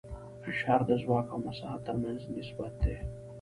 فشار د ځواک او مساحت تر منځ نسبت دی.